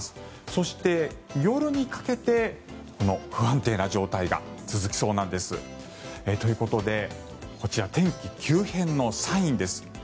そして夜にかけてこの不安定な状態が続きそうなんです。ということで、こちら天気急変のサインです。